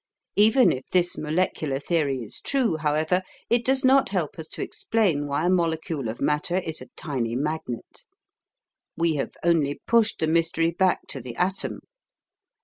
Even if this molecular theory is true, however, it does not help us to explain why a molecule of matter is a tiny magnet. We have only pushed the mystery back to the atom.